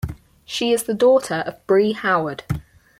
She is the daughter of Brie Howard.